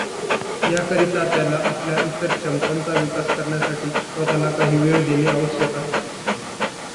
याकरिता त्याला आपल्या इतर क्षमतांचा विकास करण्यासाठी स्वत:ला काही वेळ देणे आवश्यक आहे.